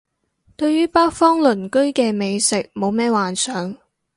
對於北方鄰居嘅美食冇咩幻想